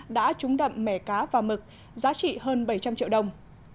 đã trúng đậm mẻ cá và mực giá trị hơn bảy trăm linh triệu đồng